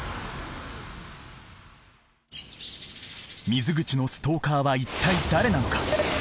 水口のストーカーは一体誰なのか？